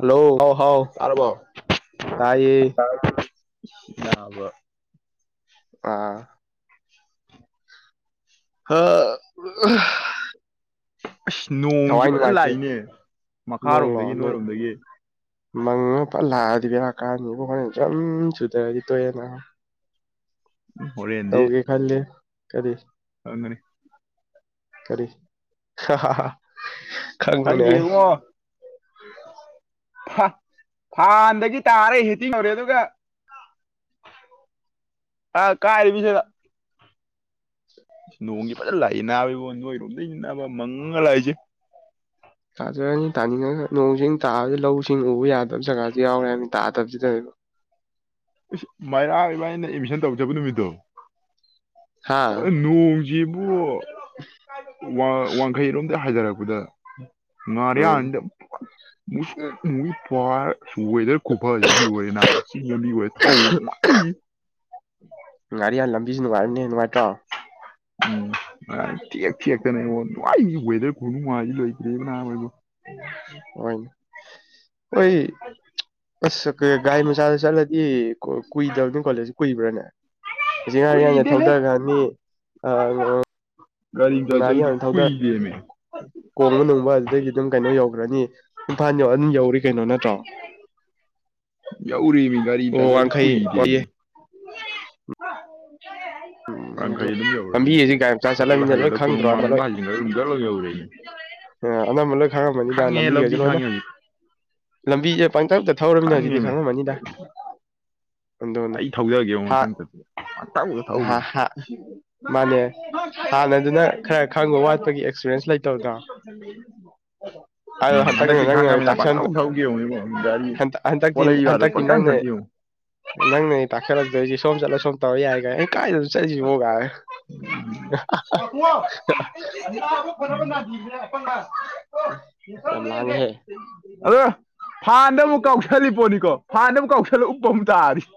hello ꯍꯥꯎ ꯍꯥꯎ ꯇꯥꯔꯕꯣ ꯇꯥꯏꯌꯦ ꯇꯥꯔꯦ ꯇꯥꯕꯣ ꯑꯥ ꯍꯥ [unintelligible] ꯑꯁ ꯅꯣꯡꯁꯤ ꯐꯖꯟ ꯅꯨꯡꯉꯥꯏꯇꯦ ꯂꯥꯛꯏꯅꯦ ꯅꯣꯡꯂꯣ ꯃꯈꯥꯔꯣꯝꯗꯒꯤ ꯅꯣꯡ ꯅꯣꯏꯔꯣꯝꯗꯒꯤ ꯃꯪꯉ ꯐꯠ ꯂꯥꯛꯑꯗꯤ ꯕꯦꯔꯥ ꯀꯥꯅꯤꯕꯨ ꯍꯣꯔꯦꯟ ꯖꯝ ꯆꯨꯊꯔꯗꯤ ꯇꯣꯚ ꯑꯦꯅꯦ ꯍꯣꯔꯦꯟꯗꯤ ꯈꯜꯂꯤ ꯀꯔꯤ ꯈꯪꯒꯅꯤ ꯀꯔꯤ ꯍꯥ ꯍꯥ ꯍꯥ ꯈꯪꯗꯦ ꯏꯕꯨꯉꯣ [unintelligible] ꯐꯥꯟꯗꯒꯤ ꯇꯥꯔꯦ ꯍꯦꯇꯤꯡ ꯌꯧꯔꯦ ꯑꯗꯨꯒ ꯑ ꯀꯥꯏꯕꯤꯁꯤꯗ ꯅꯣꯡꯒꯤ ꯐꯖꯅ ꯂꯥꯛꯏ ꯅꯥꯕꯕꯣ ꯅꯣꯏꯔꯣꯝꯗꯩꯅꯥꯕ ꯃꯪꯉꯒ ꯂꯥꯛꯏꯁꯦ ꯇꯥꯖꯔꯅꯤ ꯇꯥꯅꯤꯡꯉꯒ ꯅꯣꯡꯁꯤꯡ ꯇꯥꯕꯗꯤ ꯂꯧꯁꯤꯡ ꯎꯕ ꯌꯥꯗꯕ ꯖꯒꯥꯁꯤ ꯌꯥꯎꯔꯦ ꯍꯥꯏꯕꯅꯤ ꯇꯥꯗꯕꯁꯤꯗꯅꯦꯕ ꯃꯩꯔꯥ ꯏꯕꯥꯅꯤꯅ ꯑꯦꯗꯃꯤꯁꯟ ꯇꯧꯕ ꯆꯠꯄ ꯅꯨꯃꯤꯠꯇꯣ ꯍꯥ ꯅꯣꯡꯁꯤꯕꯨ ꯋꯥꯡꯈꯩꯔꯣꯝꯗ ꯍꯥꯢꯗꯔꯛꯄꯗ ꯎꯝ ꯉꯔꯤꯌꯥꯟꯁꯤꯗ ꯃꯨꯁꯨꯛ ꯃꯨꯏ ꯄꯥꯢꯔ ꯋꯦꯗꯔ ꯈꯨꯐꯁꯤꯗꯤ ꯂꯣꯏꯔꯦ ꯅꯥꯕ ꯁꯤ [unintelligible] ꯉꯥꯔꯤꯌꯥꯥꯟ ꯂꯝꯕꯤꯁꯨ ꯅꯨꯡꯉꯥꯏꯕꯅꯤꯅꯦ ꯅꯨꯡꯉꯥꯏꯇ꯭ꯔꯣ ꯎꯝ ꯊꯦꯛ ꯊꯦꯛꯇꯅꯦ ꯑꯩꯉꯣꯟ ꯅꯨꯡꯉꯥꯏꯒꯤ ꯋꯦꯗꯔ ꯈꯨꯅꯨꯡꯉꯥꯏꯗꯤ ꯂꯩꯈ꯭ꯔꯦꯕ ꯅꯍꯣꯏꯗꯣ ꯑꯣꯏꯟ ꯑꯣꯏ ꯑꯁ ꯒꯥꯔꯤ ꯃꯆꯥꯗ ꯆꯠꯂꯗꯤ ꯀꯨꯏꯗꯕꯅꯤ ꯀꯣꯂꯦꯖꯁꯤ ꯀꯨꯏꯕ꯭ꯔꯥꯅꯦ ꯆꯤꯡꯉꯔꯦꯜꯗꯩ ꯀꯨꯏꯗꯦꯍꯦ ꯊꯧꯊꯈ꯭ꯔꯅꯤ ꯑꯥ ꯒꯥꯔꯤꯗ ꯑꯗꯨꯝ ꯀꯨꯏꯗꯦꯃꯦ ꯀꯣꯡꯕ ꯅꯨꯡꯕ ꯑꯗꯨꯗꯩꯗꯤ ꯑꯗꯨꯝ ꯀꯩꯅꯣ ꯌꯧꯈ꯭ꯔꯅꯤ ꯏꯝꯐꯥꯜ ꯌꯧ ꯑꯗꯨꯝ ꯌꯧꯔꯤ ꯀꯩꯅꯣ ꯅꯠꯇ꯭ꯔꯣ [unintelligible] ꯌꯧꯔꯦꯃꯤ ꯒꯥꯔꯤ ꯑꯣ ꯆꯥꯂꯗꯤ ꯋꯥꯡꯈꯩ ꯀꯨꯏꯗꯦꯃꯤ ꯋꯥꯠꯂꯤ ꯃꯔꯥꯡ ꯈꯩ ꯑꯗꯨꯝ ꯌꯧꯔꯦ ꯂꯝꯕꯤꯁꯤ ꯒꯥꯔꯤ ꯃꯆꯥ ꯑꯗꯨꯝ ꯆꯠꯂꯃꯤꯅ ꯂꯣꯏ ꯍꯥꯏꯖꯤꯜꯂꯒ ꯀꯣꯅꯨꯡ ꯈꯪꯗ꯭ꯔꯣ ꯑꯅꯝꯕ ꯂꯣꯏ ꯃꯥꯡꯂꯣꯝꯗ ꯍꯥꯏꯖꯤꯜꯂꯒ ꯑꯗꯨꯝ ꯆꯠꯂꯒ ꯌꯧꯔꯦꯅꯦ ꯑꯅꯝꯕ ꯂꯣꯏ ꯈꯪꯉꯝꯃꯅꯤꯗ ꯂꯝꯕꯤꯈꯩꯁꯦ ꯂꯝꯕꯤ ꯂꯣꯏꯅ ꯈꯪꯉꯦ ꯍꯧꯖꯤꯛ ꯂꯝꯕꯤꯁꯦ ꯄꯪꯇꯛꯇ ꯊꯧꯔꯃꯤꯅ ꯍꯧꯖꯤꯛꯇꯤ ꯈꯪꯉꯦꯃꯤ ꯈꯪꯉꯝꯃꯅꯤꯗ ꯑꯗꯨꯅꯤ ꯑꯩ ꯊꯧꯖꯒꯦꯕ ꯃꯊꯪ ꯄꯪꯊꯧꯗ ꯊꯧ ꯃꯥꯅꯦ ꯍꯥꯟꯅꯗꯨꯅ ꯈꯔ ꯈꯪꯕ ꯋꯥꯠꯄꯒꯤ ꯑꯦꯛꯁꯄꯤꯔꯟꯁ ꯂꯩꯇꯕꯗꯣ [inaudible] ꯑꯗꯣ ꯎꯝ ꯍꯟꯗꯛꯅ ꯍꯟꯗꯛꯇꯤ ꯅꯪꯅ ꯑꯣꯏꯅ ꯈꯥꯡꯉꯃꯤꯅ ꯇꯥꯛꯁꯟꯕ ꯄꯥꯛꯊꯧ ꯊꯧꯒꯦ ꯌꯦꯉꯨꯅꯦ ꯒꯥꯔꯤ ꯍꯟꯗꯛ ꯍꯟꯗꯛꯇꯤ ꯄꯣꯠꯂꯏꯕꯒꯗꯣ ꯄꯪꯆꯪ ꯆꯪꯒꯦ ꯌꯦꯉꯨ ꯅꯪꯅꯅꯤ ꯇꯥꯛꯁꯤꯂꯛꯇꯣꯏꯁꯤ ꯁꯣꯝ ꯆꯠꯂꯣ ꯁꯣꯝ ꯇꯧꯔꯣ ꯌꯥꯏꯒꯥꯏ ꯑꯩ ꯀꯥꯏꯗꯅꯣ ꯆꯠꯁꯤꯕꯣ ꯒꯥꯏꯅ [unintelligible] [inaudible] [unintelligible] [inaudible] ꯌꯥꯝ ꯂꯥꯡꯉꯦꯍꯦ ꯑꯗ ꯐꯥꯟꯗ ꯑꯃꯨꯛ ꯀꯥꯎꯁꯜꯂꯤ ꯄꯣꯠꯅꯤꯀꯣ ꯐꯥꯟꯗ ꯑꯃꯨꯛ ꯀꯥꯎꯁꯜꯂꯛ ꯎꯞꯄ ꯑꯃꯨꯛ ꯇꯥꯔꯤꯅꯤ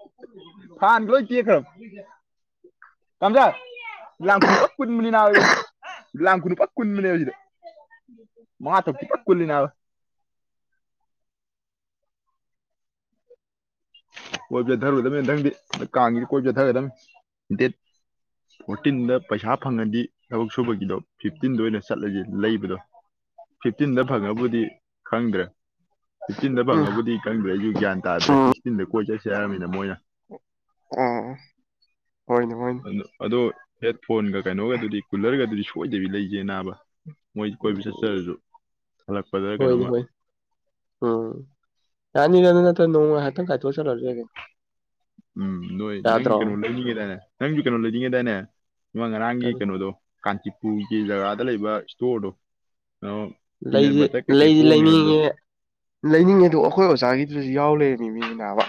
ꯐꯥꯟ ꯂꯣꯏ ꯇꯦꯈ꯭ꯔꯝ ꯇꯝꯆꯥꯟ ꯂꯥꯉ ꯀꯅꯨ ꯀꯣ ꯀꯨꯟꯕꯅꯤ ꯅꯥꯕꯏꯕꯣ ꯂꯥꯡ ꯈꯨꯅꯨ ꯐꯖꯅ ꯀꯨꯟꯕꯅꯦꯕ ꯁꯤꯗ ꯃꯉꯥ ꯇꯔꯨꯛ ꯐꯖꯅ ꯀꯨꯂꯤ ꯅꯥꯕ ꯀꯣꯏ ꯆꯠꯊꯔꯨꯒꯗꯕꯅꯤ ꯊꯪꯗꯤ ꯀꯥꯡꯈꯤ ꯀꯣꯏ ꯆꯠꯊꯒꯗꯝꯕꯅꯤ ꯐꯣꯔꯇꯤꯟꯗ ꯄꯩꯁꯥ ꯐꯪꯉꯗꯤ ꯊꯕꯛ ꯁꯨꯕꯒꯤꯗꯣ ꯐꯤꯞꯇꯤꯟꯗ ꯑꯣꯏꯅ ꯆꯠꯂꯁꯦ ꯂꯩꯕꯗꯣ ꯐꯤꯐꯇꯤꯟꯗ ꯐꯪꯉꯕꯨꯗꯤ ꯈꯪꯗ꯭ꯔꯦ ꯐꯤꯐꯇꯤꯟꯗ ꯎꯝ ꯐꯪꯉꯕꯕꯨꯗꯤ ꯀꯪꯗ꯭ꯔꯦ ꯑꯩꯁꯨ ꯒ꯭ꯌꯥꯟ ꯇꯥꯗ꯭ꯔꯦ ꯎꯝ ꯁꯤꯛꯁꯇꯤꯟꯗ ꯀꯣꯏ ꯆꯠꯁ ꯍꯥꯏꯔꯔꯕꯃꯤꯅ ꯃꯣꯏꯅ ꯑꯥ ꯍꯣꯏꯅꯦ ꯍꯣꯏꯅꯦ ꯑꯗꯣ ꯍꯦꯠ ꯐꯣꯟꯒ ꯀꯩꯅꯣꯒꯗꯨꯗꯤ ꯀꯨꯂꯔꯒꯗꯨꯗꯤ ꯁꯣꯏꯗꯕꯤ ꯂꯩꯒꯦ ꯅꯥꯕ ꯃꯣꯏ ꯎꯝ ꯀꯣꯏꯕꯤ ꯆꯥꯁꯦ ꯑꯗꯨꯁꯨ ꯍꯣꯏꯅꯦ ꯍꯣꯏ ꯎꯝ ꯌꯥꯅꯤꯗꯅ ꯅꯠꯇ꯭ꯔ ꯅꯣꯡꯃ ꯉꯥꯏꯍꯥꯛꯇꯪ ꯀꯥꯏꯊꯣꯛꯑ ꯆꯠꯂꯁꯒꯦ ꯎꯝ ꯅꯣꯏ ꯅꯪ ꯀꯩꯅꯣ ꯂꯩꯅꯤꯡꯉꯦꯗꯏꯅꯦ ꯅꯪꯁꯨ ꯀꯩꯅꯣ ꯂꯩꯅꯤꯡꯉꯦꯗꯥꯏꯅꯦ ꯏꯃꯨꯡ ꯉꯔꯥꯡꯒꯤ ꯀꯔꯤ ꯀꯩꯅꯣꯗꯣ ꯀꯥꯟꯆꯤꯄꯨꯔꯒꯤ ꯖꯒꯥꯗ ꯂꯩꯕ ꯏꯁꯇꯣꯔꯗꯣ ꯀꯩꯅꯣ ꯄꯤꯅꯠ ꯂꯩꯁꯤ ꯕꯇꯔ ꯀꯩꯀꯩ ꯂꯩꯁꯤ ꯍꯣꯡꯉꯦ ꯍꯥꯏꯕꯗꯣ ꯂꯩꯅꯤꯡꯉꯦ ꯂꯩꯅꯤꯡꯉꯦꯗ ꯑꯩꯈꯣꯏ ꯑꯣꯖꯥꯒꯤꯗꯨꯁꯨ ꯌꯥꯎ ꯂꯩ ꯃꯤ ꯃꯤ ꯃꯤꯅꯥꯕ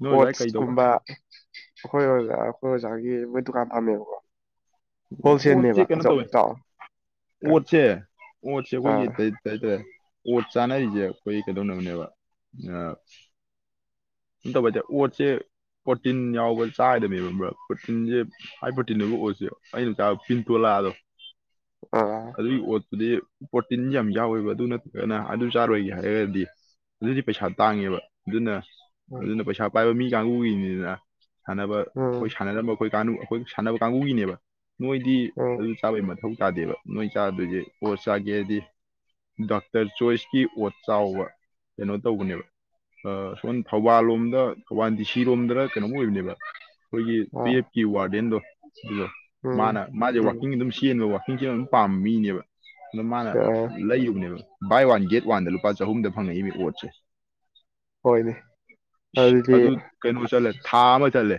ꯅꯣꯏ ꯑꯗꯨꯋꯥꯏ ꯀꯩꯗꯧꯕ ꯑꯣꯠꯁꯀꯨꯝꯕ ꯑꯩꯈꯣꯏ ꯑꯣꯖꯥ ꯑꯩꯈꯣꯏ ꯑꯣꯖꯥꯒꯤ ꯃꯣꯏ ꯗꯨꯀꯥꯟ ꯐꯝꯃꯦꯕꯀꯣ ꯑꯣ ꯍꯣꯜꯁꯦꯜꯅꯦꯕ ꯑꯣꯠꯁꯦ ꯀꯩꯅꯣ ꯑꯆꯧ ꯇꯧꯋꯦ ꯆꯥꯎ ꯑꯣꯠꯁꯦ ꯑꯣꯠꯁꯦ ꯑꯩꯈꯣꯏꯒꯤ ꯑꯥ ꯀꯩ ꯍꯥꯏꯇꯥꯔꯦ ꯑꯣꯠ ꯆꯥꯅꯔꯤꯁꯦ ꯑꯩꯈꯣꯏ ꯀꯩꯗꯧꯅꯕꯅꯦꯕ ꯇꯕꯗꯦ ꯑꯣꯠ ꯆꯦ ꯄ꯭ꯔꯣꯇꯤꯟ ꯌꯥꯎꯕ ꯆꯥꯒꯗꯅꯦꯕ ꯑꯃ꯭ꯔ ꯄ꯭ꯔꯣꯇꯤꯟꯁꯦ ꯍꯥꯏ ꯄ꯭ꯔꯣꯇꯤꯟꯗꯨꯕꯨ ꯑꯣꯏꯔꯁꯦ ꯑꯩꯅ ꯇꯥꯕ ꯄꯤꯟꯇꯣꯂꯥꯗꯣ ꯑꯥ ꯑꯗꯨꯒꯤ ꯑꯣꯠꯇꯨꯗꯤ ꯄ꯭ꯔꯣꯇꯤꯟ ꯌꯥꯝ ꯌꯥꯎꯋꯦꯕ ꯑꯗꯨ ꯅꯠꯇ꯭ꯔꯒꯅ ꯑꯗꯨ ꯆꯥꯔꯣꯏꯒꯦ ꯍꯥꯏꯔꯒꯗꯤ ꯑꯗꯨꯗꯤ ꯄꯩꯁꯥ ꯇꯥꯡꯉꯦꯕ ꯑꯗꯨꯅ ꯎꯝ ꯑꯗꯨꯅ ꯄꯩꯁꯥ ꯄꯥꯏꯕ ꯃꯤ ꯀꯥꯡꯕꯨꯒꯤꯅꯤꯗꯅ ꯁꯥꯟꯅꯕ ꯎꯝ ꯑꯩꯈꯣꯏ ꯁꯥꯟꯅꯔꯝꯕ ꯑꯩꯈꯣꯏ ꯑꯩꯈꯣꯏ ꯁꯥꯟꯅꯕ ꯀꯥꯡꯕꯨꯒꯤꯅꯦꯕ ꯅꯣꯏꯗꯤ ꯑꯗꯨ ꯎꯝ ꯆꯥꯕꯩ ꯃꯊꯧ ꯇꯥꯗꯦꯕ ꯅꯣꯏ ꯆꯥꯗꯣꯏꯁꯦ ꯄꯣꯠ ꯆꯥꯒꯦꯗꯤ ꯗꯥꯛꯇꯔ ꯆꯣꯏꯁꯀꯤ ꯑꯣꯠ ꯆꯥꯎꯕ ꯀꯩꯅꯣ ꯇꯧꯕꯅꯦꯕ ꯁꯣꯝ ꯊꯧꯕꯥꯜ ꯂꯣꯝꯗ ꯊꯧꯕꯥꯜ ꯗꯤ ꯁꯤꯔꯣꯝꯗꯅ ꯀꯩꯅꯣꯝ ꯑꯣꯏꯕꯅꯦꯕ ꯑꯩꯈꯣꯏꯒꯤ ꯑꯥ ꯇꯨꯌꯦꯐꯀꯤ ꯋꯥꯔꯗꯦꯟꯗꯣ ꯑꯗꯨꯗ ꯎꯝ ꯃꯥꯅ ꯃꯥꯁꯦ ꯎꯝ ꯋꯥꯛꯀꯤꯡ ꯑꯗꯨꯝ ꯆꯦꯟꯕ ꯋꯥꯋꯥꯛꯀꯤꯡꯁꯦ ꯑꯗꯨꯝ ꯄꯥꯝꯕ ꯃꯤꯅꯦꯕ ꯑꯗ ꯃꯥꯅ ꯑꯥ ꯂꯩ ꯌꯕꯅꯦꯕ ꯕꯥꯏ ꯋꯥꯟ ꯒꯦꯠ ꯋꯥꯟꯗ ꯂꯨꯄꯥ ꯆꯍꯨꯝꯗ ꯐꯪꯉꯛꯏ ꯃꯤ ꯑꯣꯠꯁꯦ ꯍꯣꯏꯅꯦ ꯏꯁ ꯑꯗꯨꯗꯤ ꯑꯗꯨ ꯀꯩꯅꯣ ꯆꯠꯂꯦ ꯊꯥ ꯑꯃ ꯆꯠꯂꯦ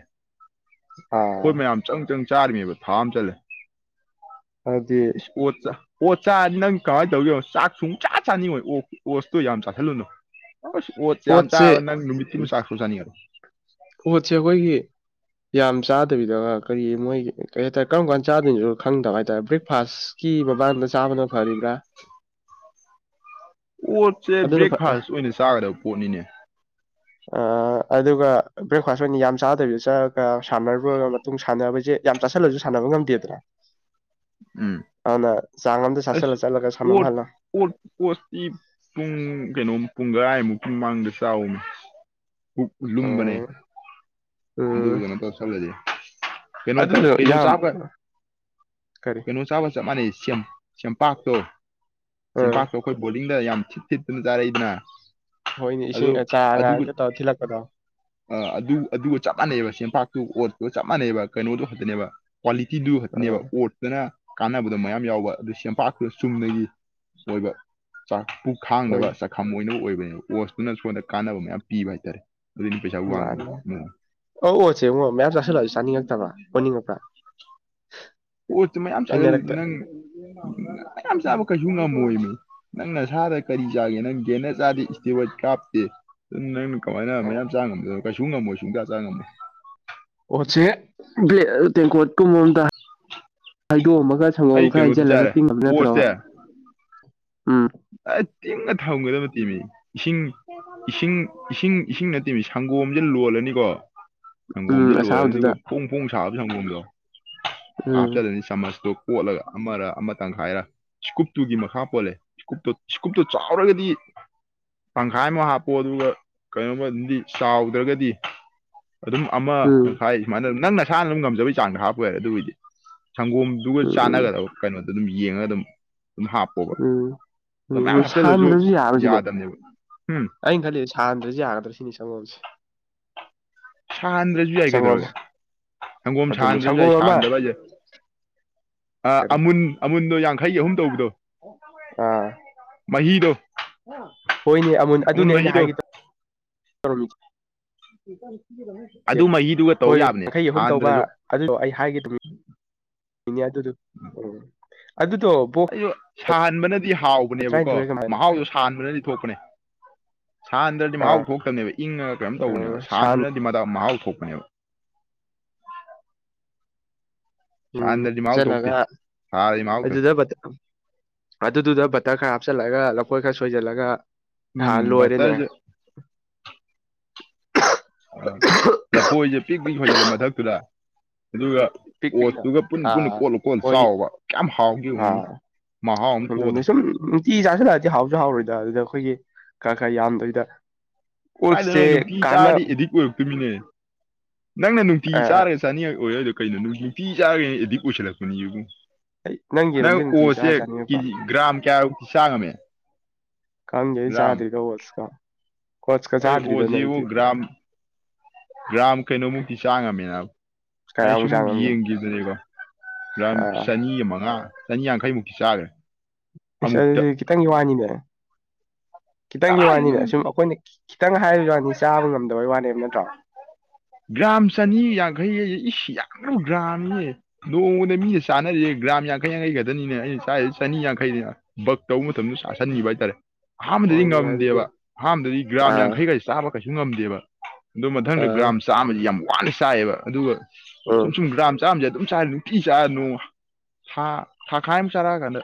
ꯑꯥ ꯑꯩꯈꯣꯏ ꯃꯌꯥꯝ ꯆꯪ ꯆꯪ ꯆꯥꯔꯤꯅꯦꯕ ꯊꯥ ꯑꯃ ꯆꯠꯂꯦ ꯑꯗꯨꯗꯤ ꯑꯣꯠ ꯆꯥ ꯑꯣꯠ ꯆꯥ ꯅꯪ ꯀꯃꯥꯏꯅ ꯇꯧꯒꯦꯅꯣ ꯆꯥꯛ ꯁꯨꯡ ꯆꯥ ꯆꯥꯅꯤꯡꯉꯣꯏ ꯑꯣ ꯑꯣꯁꯇꯣ ꯌꯥꯝ ꯆꯥꯁꯤꯜꯂꯨꯅꯨ ꯍ ꯑꯣ ꯆꯥꯝ ꯆꯥ ꯑꯣꯠꯁꯦ ꯅꯨꯃꯤꯠ ꯊ ꯆꯥꯛꯁꯁꯨ ꯆꯅꯤꯔꯣ ꯄꯣꯠꯁꯦ ꯑꯩꯈꯣꯏꯒꯤ ꯌꯥꯝ ꯆꯥꯗꯕꯤꯗ ꯀꯔꯤ ꯃꯣꯏꯒꯤ ꯀꯩ ꯍꯥꯏꯇꯥꯔꯦ ꯀꯔꯝ ꯀꯥꯟ ꯆꯥꯗꯣꯏꯅꯁꯨ ꯈꯪꯗꯕ ꯍꯥꯏꯇꯥꯔꯦ ꯕ꯭ꯔꯦꯛꯐꯥꯁ ꯀ ꯃꯕꯥꯥꯟꯗ ꯆꯥꯕꯅ ꯐꯔꯤꯕ꯭ꯔꯥ ꯑꯣꯣꯠꯁꯦ ꯑꯗꯨꯅ ꯕ꯭ꯔꯦꯛꯐꯥꯁ ꯑꯣꯏꯅ ꯆꯥꯒꯗꯕ ꯄꯣꯠꯅꯤꯅꯦ ꯑ ꯑꯗꯨꯒ ꯕ꯭ꯔꯦꯛꯐꯥꯁ ꯑꯣꯏꯅ ꯌꯥꯝ ꯆꯥꯗꯕꯤꯗ ꯆꯠꯂꯒ ꯁꯥꯟꯅꯔꯨꯔꯒ ꯇꯨꯡ ꯁꯥꯟꯅꯕꯁꯦ ꯌꯥꯝ ꯆꯥꯥꯁꯜꯂꯁꯨ ꯁꯥꯟꯅꯕ ꯉꯝꯗꯦꯗꯅ ꯎꯝ ꯑꯗꯨꯅ ꯆꯥꯡ ꯑꯝꯗ ꯑꯁ ꯆꯥꯁꯤꯜꯂ ꯆꯠꯂꯒ ꯁꯥꯟꯅꯕꯝ ꯑꯣꯠ ꯍꯜꯂꯣ ꯑꯣꯠ ꯑꯣꯣꯠꯇꯁꯤꯤ ꯄꯨꯡ ꯀꯩꯅꯣꯝ ꯄꯨꯡ ꯔꯥꯏꯃꯨꯛ ꯄꯨꯡ ꯃꯃꯥꯡꯗ ꯆꯥꯎꯃꯦ ꯂꯨꯕꯅꯦ ꯎꯝ ꯎꯝ ꯁ ꯂꯩꯦ ꯀꯩꯅꯣ ꯑꯗꯨꯗꯣ ꯀꯩꯅ ꯌꯥꯝ ꯆꯕ ꯀꯔꯤ ꯀꯩꯅꯣ ꯆꯥꯕ ꯆ ꯃꯥꯅꯤ ꯆꯦꯡꯄꯥꯛꯇꯣ ꯑꯥ ꯆꯄꯥꯛꯇꯣ ꯑꯩꯈꯣꯏ ꯕꯣꯗꯤꯡꯗ ꯌꯥꯝ ꯊꯤꯠ ꯊꯤꯠꯇꯨꯅ ꯆꯥꯔꯛꯏꯗꯅ ꯍꯣꯏꯅꯦ ꯑꯗꯨ ꯏꯁꯤꯡ ꯑꯆꯥ ꯑꯉꯥꯡꯇ ꯇꯧ ꯊꯤꯜꯂꯛꯄꯗꯣ ꯑ ꯑꯗꯨ ꯑꯗꯨꯒ ꯆꯞ ꯃꯥꯟꯅꯩꯕ ꯆꯦꯟꯄꯥꯛꯇꯨ ꯑꯣꯠꯄꯒ ꯆꯞ ꯃꯥꯟꯅꯩꯕ ꯀꯩꯅꯣꯗꯨꯣ ꯈꯛꯇꯅꯦꯕ ꯀ꯭ꯋꯥꯂꯤꯇꯤꯗꯨ ꯈꯛꯇꯅꯦꯕ ꯑꯥ ꯑꯣꯠꯇꯅ ꯀꯥꯟꯅꯕꯗꯣ ꯃꯌꯥꯝ ꯌꯥꯎꯕ ꯑꯗꯨ ꯁꯦꯡꯄꯥꯛꯄꯗ ꯆꯨꯝꯅꯒꯤ ꯑꯣꯏꯕ ꯆꯥꯛ ꯄꯨ ꯈꯥꯡꯅꯕ ꯍꯣꯏꯅꯦ ꯈꯝ ꯑꯣꯏꯅ ꯑꯣꯏꯕꯅꯦꯕ ꯑꯣꯁꯇꯨꯅ ꯁꯣꯗ ꯀꯥꯟꯅꯕ ꯃꯌꯥꯝ ꯄꯤꯕ ꯍꯥꯏꯇꯥꯔꯦ ꯑꯗꯨꯅꯤ ꯄꯩꯁꯥ ꯋꯥꯡꯉꯤ ꯃꯥꯅꯤ ꯑꯧ ꯑꯣ ꯆꯦꯡꯡꯉꯣ ꯃꯌꯥꯝ ꯆꯥꯁꯤꯜꯂꯛꯑꯁꯨ ꯆꯥꯅꯤꯡꯉꯛꯇꯕ꯭ꯔꯥ ꯑꯣꯟꯅꯤꯡꯉꯄ꯭ꯔꯥ ꯑꯣꯠꯇ ꯃꯌꯥꯝ ꯍꯩꯅꯔꯛꯇ ꯆꯥꯁꯟꯅꯪ ꯌꯥꯝ ꯆꯥꯕ ꯀꯩꯁꯨ ꯅꯪ ꯑꯣꯏ ꯃꯤ ꯅꯪ ꯅꯁꯥꯗꯒꯤ ꯀꯔꯤ ꯆꯥꯒꯦ ꯅꯪ ꯒꯦꯟꯅ ꯆꯥꯗꯦ ꯏꯁꯇꯤ ꯀꯥꯞꯇꯦ ꯑꯗꯨ ꯅꯪꯅ ꯀꯃꯥꯏꯅ ꯃꯌꯥꯝ ꯆꯥꯕ ꯉꯝꯗꯣ ꯀꯩꯁꯨ ꯉꯝꯃꯣꯏ ꯁꯨꯡꯥ ꯆꯥ ꯉꯝꯃꯣꯏ ꯑꯣꯠꯁꯦ ꯕ꯭ꯂꯦꯛ ꯇꯦꯡꯀꯣꯠꯀꯨꯝꯕ ꯑꯝꯗ ꯍꯥꯏꯗꯣꯛꯑꯝꯃꯒ ꯁꯪꯒꯣꯝ ꯑꯩ ꯈꯔ ꯀꯩꯅꯣꯗꯤ ꯍꯩꯖꯜꯂꯒ ꯆꯥꯔꯦ ꯇꯤꯡꯉꯝ ꯅꯠꯇ꯭ꯔꯣꯕ ꯎꯝ ꯑ ꯇꯤꯡꯉ ꯊꯝꯒꯗꯕ ꯇꯤꯃꯤ ꯏꯁꯤꯡ ꯏꯁꯤꯡ ꯏꯁꯤꯡ ꯏꯁꯤꯡ ꯅꯠꯇꯦ ꯁꯪꯒꯣꯝꯁꯦ ꯂꯣꯜꯂꯅꯤꯀꯣ ꯎꯝ ꯁꯪꯒꯣꯝꯁꯦ ꯂꯣꯜꯂꯅꯤ ꯑꯗꯨꯒ ꯑꯁꯥꯕꯗꯨꯗ ꯐꯣꯡ ꯐꯣꯡ ꯁꯥꯕ ꯁꯪꯒꯣꯝꯗꯣ ꯎꯝ ꯍꯥꯞꯆꯔꯅꯤ ꯆꯥꯃꯁꯇꯣ ꯀꯣꯠꯂꯒ ꯑꯃꯔ ꯑꯃ ꯇꯪꯈꯥꯏꯔ ꯁ꯭ꯀꯨꯞꯇꯨꯒꯤ ꯃꯈꯥ ꯄꯣꯜꯂꯦ ꯏꯀꯨꯞꯇꯣ ꯆꯀꯨꯞꯇꯨ ꯆꯥꯎꯔꯒꯗꯤ ꯄꯪꯈꯥꯏ ꯑꯃ ꯍꯥꯞꯄꯣ ꯑꯗꯨꯒ ꯀꯩꯅꯣꯃꯗꯤ ꯆꯥꯎꯗ꯭ꯔꯒꯗꯤ ꯑꯗꯨꯝ ꯑꯃ ꯎꯝ ꯇꯪꯈꯥꯏ ꯁꯨꯃꯥꯏꯅ ꯅꯪ ꯅꯁꯥꯅ ꯑꯗꯨꯝ ꯉꯝꯖꯕꯩ ꯆꯥꯡꯗ ꯍꯥꯞꯄ ꯌꯥꯔꯦ ꯑꯗꯨꯒꯤꯗꯤ ꯁꯪꯒꯣꯝ ꯑꯗꯨꯒ ꯎꯝ ꯎꯝ ꯆꯥꯟꯅꯒꯗꯕ ꯀꯩꯅꯣꯗꯣ ꯑꯗꯨꯝ ꯌꯦꯡꯉꯒ ꯑꯗꯨꯝ ꯑꯗꯨꯝ ꯍꯥꯞꯄꯣ ꯎꯝ ꯎꯝ ꯑꯗꯨ ꯁꯥꯟꯗ꯭ꯔꯁꯨ ꯌꯥꯔꯁꯤꯅꯦ ꯌꯥꯗꯕꯅꯦꯕ ꯎꯝ ꯑꯩꯅ ꯈꯜꯂꯤ ꯁꯥꯟꯗ꯭ꯔꯁꯨ ꯌꯥꯒꯗ꯭ꯔ ꯁꯤꯅꯦ ꯆꯪꯒꯣꯝꯁꯦ ꯁꯥꯍꯟꯗ꯭ꯔꯁꯨ ꯌꯥꯏ ꯁꯪꯒꯣꯝꯁꯦ ꯀꯩꯗꯧꯔꯒꯦ ꯁꯪꯒꯣꯝ ꯑꯗꯨꯅꯤ ꯁꯥꯍꯟꯗ꯭ꯔꯁꯨ ꯌꯥꯏ ꯁꯪꯒꯣꯝ ꯑꯃ ꯁꯥꯍꯟꯗꯕ ꯍꯥꯏꯁꯦ ꯑ ꯀꯔꯤ ꯑꯃꯨꯟ ꯑꯃꯨꯟꯗꯣ ꯌꯥꯡꯈꯩꯒꯤ ꯑꯍꯨꯝ ꯇꯧꯕꯗꯣ ꯑ ꯃꯍꯤꯗꯣ ꯍꯣꯏꯅꯦ ꯑꯃꯨ ꯑꯃꯨꯟ ꯑꯗꯨꯅꯦ ꯑꯩꯅ ꯃꯍꯤꯗꯣ ꯍꯥꯏꯒꯦ ꯇ ꯇꯧꯔꯃꯤ ꯑꯗꯨ ꯃꯍꯤꯗꯨꯒ ꯇꯧ ꯍꯣꯏ ꯌꯥꯕꯅꯦ ꯌꯥꯡꯈꯩ ꯑꯍꯨꯝ ꯇꯧꯕ ꯁꯥꯟꯗ꯭ꯔꯁꯨ ꯑꯗꯨꯗꯣ ꯑꯩ ꯍꯥꯏꯒꯦ ꯑꯗꯨꯝ ꯎ ꯑꯗꯨꯗꯣ ꯑꯩꯁꯨ ꯁꯥꯍꯟꯕꯅꯗꯤ ꯍꯥꯎꯕꯅꯦꯕꯀꯣ ꯇꯔꯥꯅꯤꯊꯣꯏꯔ ꯀꯃꯥꯏꯅ ꯃꯍꯥꯎꯗꯣ ꯁꯥꯍꯟꯕꯅꯗꯤ ꯊꯣꯛꯄꯅꯦ ꯁꯥꯟꯗ꯭ꯔꯗꯤ ꯑꯥ ꯃꯍꯥꯎ ꯊꯣꯛꯇꯕꯅꯦꯕ ꯏꯪꯉꯒ ꯀꯩꯅꯝ ꯇꯧꯅꯦꯕ ꯁꯥꯟ ꯁꯍꯥꯟꯕꯅꯗꯤ ꯃꯗꯥ ꯃꯍꯥꯎ ꯊꯣꯛꯄꯅꯦꯕ ꯎꯝ ꯁꯥꯍꯟꯗ꯭ꯔꯗꯤ ꯃꯍꯥꯎ ꯊꯣꯛꯇꯦ ꯆꯂꯒ ꯁꯥꯔꯗꯤ ꯃꯍꯥꯎ ꯊꯣꯛꯑꯦ ꯑꯗꯨꯗ ꯑꯗꯨꯗ ꯕꯇꯔ ꯈꯔ ꯍꯥꯞꯆꯤꯜꯂꯒ ꯂꯈꯣꯏ ꯈꯔ ꯁꯣꯏꯁꯤꯜꯂꯒ ꯎꯝ ꯕꯇꯔꯖ ꯑ ꯂꯐꯣꯏꯁꯦ ꯄꯤꯛ ꯄꯤꯛ ꯁꯣꯏꯖꯤꯜꯂꯣ ꯃꯊꯛꯇꯨꯗ ꯑꯗꯨꯒ ꯄꯤꯛ ꯄꯤꯛꯅ ꯑꯣꯁꯇꯨꯒ ꯄꯨꯟꯅ ꯄꯨꯟꯅ ꯑꯥ ꯀꯣꯠꯂꯨ ꯀꯣꯜꯂ ꯍꯣꯏ ꯆꯥꯎꯕ ꯀꯌꯥꯝ ꯍꯥꯎꯒꯦ ꯃꯣꯏ ꯑꯥ ꯃꯍꯥꯎ ꯑꯃ ꯊꯣꯛꯑꯗ ꯑꯗꯨꯅꯦ ꯁꯨꯝ ꯅꯨꯡꯇꯤ ꯆꯥꯁꯤꯜꯂꯛꯑꯗꯤ ꯍꯥꯎꯁꯨ ꯍꯥꯎꯔꯣꯏꯗ ꯑꯗꯨꯗ ꯑꯩꯈꯣꯏꯒꯤ ꯈꯔ ꯈꯔ ꯌꯥꯝꯗꯣꯏꯗ ꯀꯥꯏꯗꯅꯣ ꯅꯨꯡꯇꯤ ꯆꯥꯔꯗꯤ ꯑꯦꯗꯤꯛ ꯑꯣꯏꯔꯛꯇꯣꯏꯃꯤꯅꯦ ꯅꯪꯅ ꯅꯨꯡꯇꯤ ꯆꯥꯔꯁꯤ ꯆꯥꯅꯤꯉꯛ ꯑꯣꯏꯔ ꯑꯗꯨꯗ ꯀꯩꯅꯣ ꯅꯨꯡ ꯄꯤꯤ ꯆꯥꯒꯦ ꯑꯗꯨꯗꯤ ꯑꯣꯏꯁꯜꯂꯛꯄꯅꯤ ꯌꯦꯕꯨ ꯅꯪ ꯌꯦꯔꯨꯝꯁꯦ ꯅꯨꯡꯇꯤ ꯑꯣꯁꯦ ꯆꯥꯔ ꯆꯥꯅꯤꯡꯉꯛꯄ꯭ꯔꯣ ꯀꯦꯖꯤ ꯒ꯭ꯔꯥꯝ ꯀꯌꯥꯃꯨꯛꯇꯤ ꯁꯥꯡꯉꯝꯃꯦ ꯈꯪꯒꯦ ꯑꯩ ꯆꯥꯗ꯭ꯔꯤꯒ ꯀꯣꯠꯀ ꯀꯣꯠꯆꯀ ꯑꯩ ꯆꯥꯗ꯭ꯔꯤꯗ ꯅ ꯑꯣꯁꯤꯕꯨ ꯑꯩꯗꯤꯅꯦ ꯒ꯭ꯔꯥꯝ ꯒ꯭ꯔꯥꯝ ꯀꯩꯅꯣꯃꯨꯛꯇꯤ ꯆꯥꯡꯉꯝꯃꯤꯅ ꯑꯩꯅ ꯀꯌꯥꯃꯨꯛ ꯁꯨꯝ ꯆꯥꯡꯉꯝꯅꯣ ꯌꯦꯡꯈꯤꯕꯗꯨꯅꯦꯀꯣ ꯑꯥ ꯆꯅꯤ ꯃꯉꯥ ꯆꯅꯤꯌꯥꯡꯈꯩꯃꯨꯛꯤ ꯆꯥꯔꯦ ꯏꯁ ꯑꯗꯨ ꯈꯤꯇꯪꯒꯤ ꯋꯥꯅꯤꯅꯦ ꯈꯤꯇꯪꯒꯤ ꯀꯗꯥꯏꯗꯅꯣ ꯋꯥꯅꯤꯅꯦ ꯑꯁꯨꯝ ꯑꯩꯈꯣꯏꯅ ꯈꯤꯇꯪ ꯍꯥꯏꯕ ꯋꯥꯅꯤ ꯆꯥꯕ ꯉꯝꯗꯕꯩ ꯋꯥꯅꯦꯕ ꯅꯠꯇ꯭ꯔꯣ ꯒ꯭ꯔꯥꯝ ꯆꯅꯤ ꯌꯥꯡꯈꯩꯁꯦ ꯏꯁ ꯌꯥꯝꯉꯔꯕ ꯒ꯭ꯔꯥꯝꯅꯤꯅꯦ ꯅꯣꯡꯃꯗ ꯃꯤꯅ ꯆꯥꯅꯔꯤꯁꯦ ꯒ꯭ꯔꯥꯝ ꯌꯥꯡꯈꯩ ꯌꯥꯡꯈꯩ ꯈꯛꯇꯅꯤꯅꯦ ꯑꯩꯅ ꯆꯥ ꯆꯅꯤ ꯌꯥꯡꯈꯩꯅꯦꯕ ꯇꯧꯕ ꯃꯇꯝꯗ ꯁꯥꯁꯟꯕꯤꯕ ꯍꯥꯏꯇꯥꯔꯦ ꯐꯥꯝꯗꯗꯤ ꯍꯣꯏꯅꯦ ꯑꯗꯨꯗꯤ ꯉꯝꯗꯦꯕ ꯐꯥꯝꯗꯗꯤ ꯒ꯭ꯔꯥꯝ ꯑꯥ ꯌꯥꯡꯈꯩꯒꯩ ꯆꯥꯕ ꯀꯩꯁꯨ ꯉꯝꯗꯦꯕ ꯑꯗꯨ ꯃꯊꯪꯗ ꯑꯥ ꯒ꯭ꯔꯥꯝ ꯆꯥꯃꯗꯤ ꯌꯥꯝ ꯋꯥꯅ ꯆꯥꯏꯌꯦꯕ ꯑꯗꯨꯒ ꯎꯝ ꯁꯨꯝ ꯁꯨꯝ ꯒ꯭ꯔꯥꯝ ꯆꯥꯝꯁꯦ ꯑꯗꯨꯝ ꯆꯥꯔ ꯅꯨꯡꯇꯤ ꯆꯥꯔꯅꯅꯨꯡ ꯊꯥ ꯊꯥꯈꯥꯏ ꯑꯃ ꯆꯥꯔꯛꯑꯀꯥꯟꯗ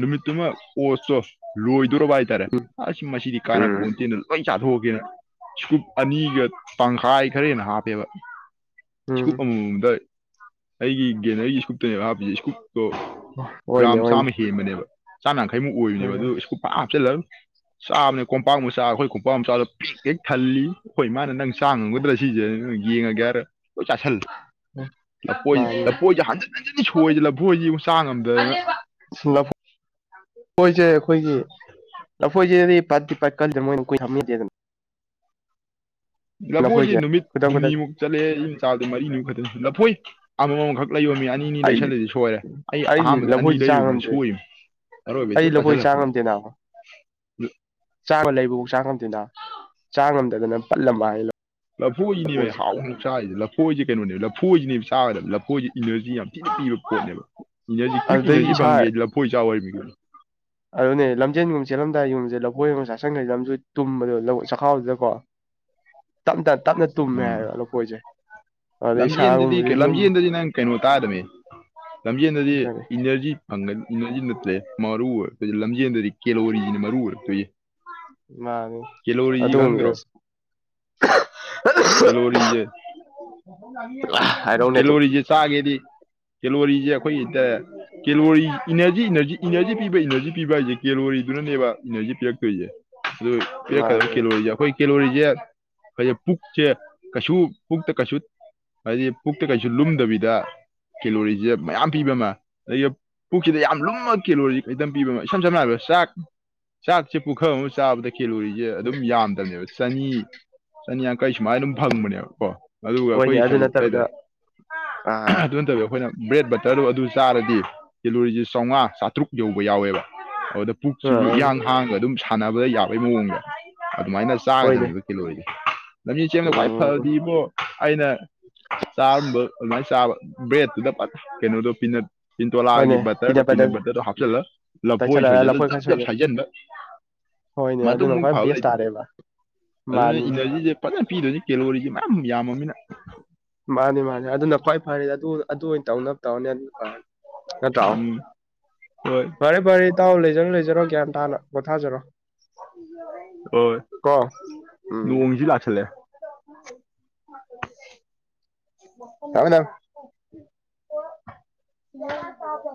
ꯅꯨꯃꯤꯠꯇꯨꯃ ꯑꯣꯠꯆꯣ ꯂꯣꯏꯗꯣꯔꯔꯕ ꯍꯥꯏꯇꯥꯔꯦ ꯎꯝ ꯑ ꯃꯁꯤꯗꯤ ꯀꯥꯟꯅꯕ ꯎꯝ ꯄꯣꯟꯇꯦꯅ ꯂꯣꯏ ꯆꯥꯊꯣꯛꯑꯀꯦꯅ ꯁꯀꯨꯞ ꯑꯅꯤꯒ ꯇꯪꯈꯥꯏ ꯈꯔ ꯍꯦꯟꯅ ꯍꯥꯞꯄꯦꯕ ꯎꯝ ꯏꯁꯀꯨꯞ ꯑꯃꯃꯝꯗ ꯑꯩꯒꯤ ꯒꯦꯅꯔꯤꯒꯤ ꯏꯁꯀꯨꯞꯇꯅꯦꯕ ꯍꯥꯞꯄꯁꯦ ꯏꯁꯀ꯭ꯔꯨꯞꯇꯣ ꯍꯣꯏꯅꯦ ꯒ꯭ꯔꯥꯝ ꯍꯣꯏꯅꯦ ꯆꯥꯝꯃ ꯍꯦꯟꯕꯅꯦꯕ ꯆꯥꯝꯃ ꯌꯥꯡꯈꯩꯃꯨꯛ ꯑꯣꯏꯕꯅꯦꯕ ꯎꯝ ꯑꯗꯨ ꯁꯀꯜ ꯄ ꯍꯥꯞꯆꯤꯜꯂ ꯆꯥꯕꯅꯦ ꯀꯣꯝꯄꯥꯛ ꯃꯆꯥ ꯑꯩꯈꯣꯏ ꯀꯣꯝꯄꯥꯝ ꯃꯆꯥꯗꯣ ꯄꯤꯛ ꯍꯦꯛ ꯊꯜꯂꯤ ꯑꯩꯈꯣꯏ ꯃꯥꯅ ꯅꯪ ꯆꯥꯡ ꯉꯝꯒꯗ꯭ꯔꯥ ꯁꯤꯁꯦ ꯅꯣꯏ ꯌꯦꯡꯉꯒꯦ ꯍꯥꯏꯔ ꯂꯣꯏ ꯆꯥꯥꯁꯜꯂ ꯂꯐꯣꯏ ꯂꯐꯣꯏꯁꯦ ꯍꯟ ꯅꯁꯤꯗꯤ ꯁꯣꯏꯁꯦ ꯂꯕꯨꯨꯣꯏꯁꯤ ꯑꯃꯨꯛ ꯆꯥꯡ ꯉꯝꯗꯅ ꯂꯐꯣꯏꯁꯦ ꯑꯩꯈꯣꯏꯒꯤ ꯂꯐꯣꯏꯁꯦꯗꯤ ꯄꯥꯠꯇꯗꯤ ꯄ ꯀꯜꯂꯤꯗ ꯃꯣꯏꯅ ꯀꯨꯏ ꯊꯝꯗꯦ ꯑꯗꯨꯅ ꯂꯐꯣꯏꯁꯦ ꯅꯨꯃꯤꯠ ꯈꯨꯗꯛ ꯈꯨꯗꯛ ꯍꯨꯝꯅꯤꯃꯨꯛ ꯆꯠꯂꯦ ꯏ ꯃꯆꯥꯗꯨ ꯃꯔꯤ ꯅꯨꯃꯤꯠ ꯈꯛꯇꯪ ꯂꯐꯣꯏ ꯑꯃ ꯑꯃꯈꯛ ꯂꯩꯕ ꯃꯤ ꯑꯅꯤ ꯑꯅꯤ ꯑꯩꯗꯤ ꯂꯩꯁꯜꯂꯗꯤ ꯁꯣꯏꯔꯦ ꯑꯩ ꯑꯩꯗꯤ ꯑꯍꯥꯟꯕꯗ ꯑꯅꯤ ꯂꯐꯣꯏꯗꯤ ꯆꯥ ꯂꯩꯔꯨꯗꯨꯅ ꯉꯝꯗ꯭ꯔꯦ ꯁꯣꯏꯅꯤ ꯑꯩ ꯂꯧꯕꯣꯏ ꯆꯥ ꯉꯝꯗꯦꯅꯥ ꯆꯥꯕ ꯂꯩꯕ ꯆꯥ ꯉꯝꯗꯦꯗ ꯆꯥ ꯉꯝꯗꯗꯅ ꯄꯠꯂꯝꯕ ꯍꯥꯏꯅ ꯂꯐꯨꯏꯅꯤ ꯍꯣꯏ ꯍꯥꯎ ꯍꯪꯆꯥꯏꯗꯤ ꯂꯐꯨ ꯂꯐꯣꯏꯁꯦ ꯀꯩꯅꯣꯅꯦꯕ ꯂꯐꯣꯏꯁꯤꯅꯦꯕ ꯆꯥꯣꯏꯕ ꯂꯐꯣꯏꯁꯤ ꯏꯅꯔꯖꯤ ꯌꯥꯝ ꯊꯤꯅ ꯄꯤꯕ ꯄꯣꯠꯅꯦꯕ ꯏꯅꯔꯖꯤ ꯀ꯭ꯋꯤꯛ ꯑꯗꯨꯗꯩꯗꯤ ꯏꯅꯔꯖꯤ ꯏꯁꯥ ꯐꯪꯒꯦ ꯂꯐꯣꯏ ꯏ ꯆꯥꯛ ꯑꯣꯏꯕꯤꯒꯅꯤ ꯑꯗꯨꯅꯦ ꯂꯝꯖꯦꯟꯒꯨꯝ ꯆꯦꯜꯂꯝꯗꯥꯏ ꯌꯨꯝꯁꯦ ꯂꯧꯈꯣꯏ ꯑꯃꯒ ꯆꯁꯪꯈ꯭ꯔꯩꯦ ꯂꯝꯁꯨ ꯇꯨꯝꯕꯗꯣ ꯆꯥꯛꯈꯥꯎꯗꯨꯗꯀꯣ ꯇꯞꯅ ꯇꯞꯅ ꯇꯨꯝꯃꯦ ꯍꯥꯏꯔꯣ ꯑꯂꯣꯄ ꯑꯣꯏꯖꯩ ꯂꯝꯖꯦꯜꯗꯗꯤ ꯂꯝꯖꯦꯜꯗꯗꯤ ꯅꯪ ꯀꯩꯅꯣ ꯇꯥꯗꯃꯤ ꯂꯝꯖꯅꯗꯤ ꯀꯔꯤ ꯏꯅꯔꯖꯤ ꯖꯤ ꯅꯠꯇ꯭ꯔꯦ ꯃꯔꯨ ꯑꯣꯏꯔꯛꯇꯣꯏꯁꯦ ꯂꯝꯖꯦꯟꯗꯗꯤ ꯀꯦꯂꯣꯔꯤꯁꯤꯅ ꯃꯔꯨ ꯑꯣꯏꯔꯛꯇꯣꯏꯁꯤ ꯃꯥꯅꯦ ꯀꯦꯂꯤꯔꯤ ꯌꯦꯒꯟ꯭ꯔꯣ ꯀꯂꯣꯔꯤ ꯄꯨꯔꯥ ꯍꯥꯏꯔꯧꯅꯦ ꯑꯗꯨꯝ ꯂꯣꯔꯤꯁꯦ ꯆꯥꯒꯦꯗꯤ ꯀꯦꯂꯣꯔꯤꯁꯦ ꯑꯩꯈꯣꯏ ꯀꯦꯂꯣꯔꯤ ꯏꯅꯔꯖꯤ ꯏꯅꯖꯤ ꯏꯅꯔꯖꯤ ꯄꯤꯕ ꯏꯅꯔꯖꯤ ꯄꯤꯕ ꯍꯥꯏꯁꯦ ꯀꯦꯂꯣꯔꯤꯗꯨꯅꯅꯦꯕ ꯏꯅꯔꯖꯤ ꯄꯤꯔꯛꯇꯣꯏꯁꯦ ꯑꯗꯨ ꯄꯤꯔꯛꯀꯗꯕ ꯃꯥꯅꯤ ꯀꯤꯂꯣꯁꯦ ꯑꯩꯈꯣꯏ ꯀꯦꯂꯣꯔꯤꯁꯦ ꯑꯩꯣꯏ ꯄꯨꯛꯁꯦ ꯀꯩꯁꯨ ꯄꯨꯛꯇ ꯀꯩꯁꯨ ꯍꯥꯏꯗꯤ ꯄꯨꯛꯇ ꯀꯩꯁꯨ ꯂꯨꯝꯗꯕꯤꯗ ꯀꯦꯂꯣꯔꯤꯁꯤꯦ ꯃꯌꯥꯝ ꯄꯤꯕ ꯑꯃ ꯑ ꯄꯨꯛꯁꯤꯗ ꯌꯥꯝ ꯂꯨꯝꯃꯛ ꯀꯦꯂꯣꯔꯤꯝ ꯄꯤꯕ ꯑꯃ ꯏꯁꯝ ꯁꯝꯅ ꯍꯥꯏꯔꯕꯗ ꯆꯥꯛ ꯆꯥꯛ ꯆ ꯄꯨꯈꯝ ꯁꯥꯕ ꯑꯣꯏ ꯏꯦ ꯑꯗꯨꯝ ꯌꯥꯝꯗꯕꯅꯦꯕ ꯆꯅꯤ ꯆꯅꯤ ꯌꯥꯡꯈꯩ ꯁꯨꯃꯥꯏ ꯑꯗꯨꯝ ꯐꯪꯕꯅꯦꯕ ꯀꯣ ꯑꯗꯨꯒ ꯍꯣꯏꯅꯦ ꯑꯩꯈꯣꯏꯒꯤ ꯑꯗꯨ ꯀꯩ ꯅꯠꯇꯕꯤꯗ ꯍꯥꯏꯇꯥꯔꯦ ꯑꯥ ꯑꯗꯨ ꯅꯠꯇꯕꯤ ꯑꯩꯈꯣꯏꯅ ꯕ꯭ꯔꯦꯗ ꯕꯇꯔꯗꯣ ꯑꯗꯨ ꯆꯥꯔꯗꯤ ꯀꯤꯂꯣꯔꯤꯁꯦ ꯆꯥꯝꯃꯉꯥ ꯆꯥꯇ꯭ꯔꯨꯛ ꯌꯧꯕ ꯌꯥꯎꯋꯦꯕ ꯑꯗꯨꯗ ꯄꯨꯛꯁꯤꯁꯨ ꯑꯥ ꯏꯍꯥꯡ ꯍꯥꯡꯒ ꯑꯗꯨꯝ ꯁꯥꯟꯅꯕꯗ ꯌꯥꯕꯩ ꯃꯑꯣꯡꯗ ꯑꯗꯨꯃꯥꯏꯅ ꯍꯣꯏꯅꯦ ꯆꯥꯒꯗꯅꯦꯕ ꯂꯣꯏꯔꯦ ꯂꯝꯕꯤ ꯆꯦꯡꯗ ꯈ꯭ꯋꯥꯏ ꯎꯝ ꯐꯕꯗꯤ ꯏꯕꯣ ꯑꯩꯅ ꯆꯥꯔꯝꯕ ꯑꯗꯨꯃꯥꯏꯅ ꯆꯥꯕ ꯕ꯭ꯔꯦꯗꯠꯇꯨꯗ ꯀꯩꯅꯣꯗꯣ ꯄꯤꯅꯠ ꯇꯤꯟꯇꯣꯂꯥꯒꯤ ꯍꯣꯏꯅꯦ ꯕꯇꯔꯗꯣ ꯄꯤꯅꯠ ꯕꯇꯔ ꯕꯇꯔꯗꯣ ꯍꯥꯞꯆꯤꯜꯂ ꯂꯐꯣꯏ ꯇꯩꯁꯜꯂꯒ ꯁꯣꯏꯁꯤꯜꯂ ꯈꯔ ꯖꯞ ꯖꯠ ꯁꯣꯏꯖꯤꯜꯂ ꯁꯥꯏꯖꯤꯟꯕ ꯍꯣꯏꯅꯦ ꯑꯗꯨꯅ ꯈ꯭ꯋꯥꯏ ꯕꯦꯁ ꯇꯥꯔꯦꯕ ꯑꯗꯨꯅ ꯃꯥꯅꯤꯅꯦ ꯏꯅꯔꯖꯤꯁꯦ ꯐꯖꯅ ꯄꯤꯗꯣꯏꯅꯤ ꯀꯦꯂꯣꯔꯤꯁꯦ ꯃꯌꯥꯝ ꯌꯥꯝꯃꯃꯤꯅ ꯃꯥꯅꯤ ꯃꯥꯅꯤ ꯑꯗꯨꯅ ꯈ꯭ꯋꯥꯏ ꯐꯔꯦ ꯑꯗꯨ ꯑꯗꯨ ꯑꯣꯏꯅ ꯇꯧꯅꯕ ꯇꯥꯎꯔꯅꯣ ꯑꯗꯨꯅ ꯐꯔꯅꯤ ꯎꯝ ꯍꯣꯏ ꯐꯔꯦ ꯐꯔꯦ ꯇꯥꯎ ꯂꯩꯖꯔꯣ ꯂꯩꯖꯔꯣ ꯒ꯭ꯌꯥꯟ ꯇꯥꯅ ꯄꯣꯊꯥꯖꯔꯣ ꯎꯝ ꯀꯣ ꯎꯝ ꯅꯣꯡꯁꯤ ꯂꯥꯛꯆꯜꯂꯦ ꯊꯝꯃꯦ ꯊꯝꯃꯦ ꯂ ꯇꯕ [inaudible]